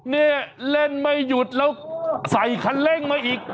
นี่เล่นไม่หยุดแล้วใส่คันเร่งมาอีก